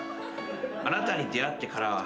「あなたに出会ってからは」